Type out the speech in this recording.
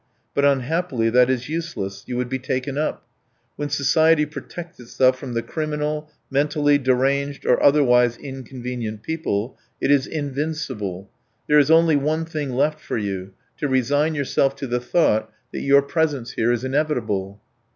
But, unhappily, that is useless. You would be taken up. When society protects itself from the criminal, mentally deranged, or otherwise inconvenient people, it is invincible. There is only one thing left for you: to resign yourself to the thought that your presence here is inevitable."